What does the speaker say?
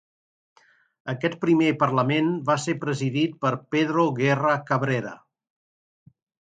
Aquest primer parlament va ser presidit per Pedro Guerra Cabrera.